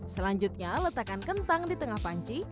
selanjutnya letakkan kentang di tengah panci